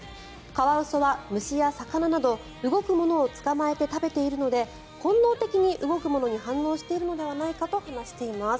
カワウソは虫や魚など動くものを捕まえて食べているので本能的に動くものに反応しているのではないかと話しています。